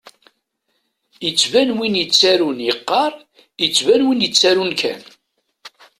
Ittban win yettarun iqqar, ittban win ittarun kan.